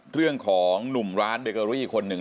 เรื่องของหนุ่มร้านเบเกอรี่คนหนึ่ง